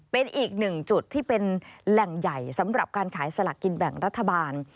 เป็นอีกหนึ่งจุดที่เป็นแหล่งใหญ่สำหรับการขายสลักกินแบ่งรัฐบาล